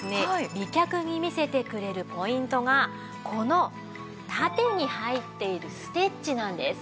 美脚に見せてくれるポイントがこの縦に入っているステッチなんです。